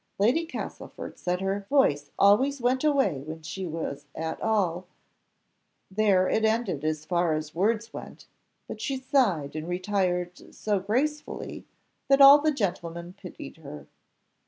Lady Castlefort said her "voice always went away when she was at all " There it ended as far as words went; but she sighed, and retired so gracefully, that all the gentlemen pitied her.